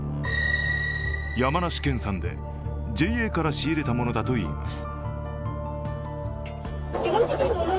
山梨県産でＪＡから仕入れたものだといいます。